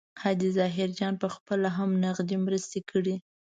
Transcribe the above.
حاجي ظاهرجان پخپله هم نغدي مرستې کړي.